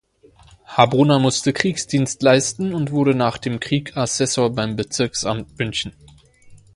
Habruner musste Kriegsdienst leisten und wurde nach dem Krieg Assessor beim Bezirksamt München.